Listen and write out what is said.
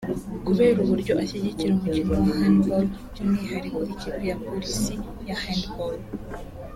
kubera uburyo ashyigikira umukino wa handball by’umwihariko ikipe ya Police ya handball